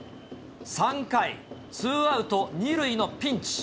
３回、ツーアウト２塁のピンチ。